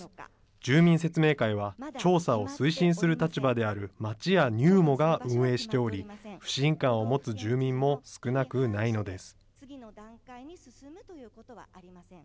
住民説明会は、調査を推進する立場である町やＮＵＭＯが運営しており、不信感を持つ住民も少なくないのです。